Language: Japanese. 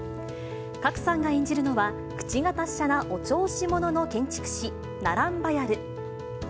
賀来さんが演じるのは、口が達者なお調子者の建築士、ナランバヤル。